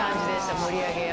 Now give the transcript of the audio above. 盛り上げ役。